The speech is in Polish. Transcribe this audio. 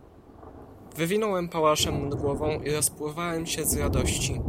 "Wywinąłem pałaszem nad głową i rozpływałem się z radości."